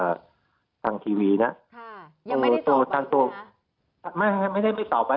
ทางทางทางทีวีนะค่ะโหตัวตามตัวไม่ไม่ได้ไม่ตอบไว้